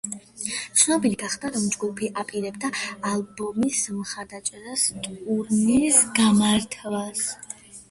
ცნობილი გახდა, რომ ჯგუფი აპირებდა ალბომის მხარდასაჭერ ტურნეს გამართვას.